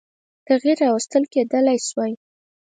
تغییر راوستل کېدلای شوای.